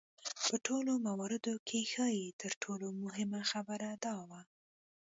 په ټولو مواردو کې ښايي تر ټولو مهمه خبره دا وه.